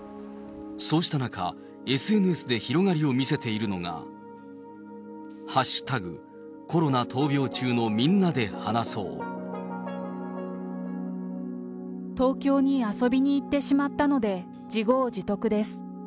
そうした中、ＳＮＳで広がりを見せているのが、東京に遊びに行ってしまったので、自業自得です。